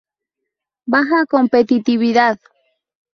Baja competitividad.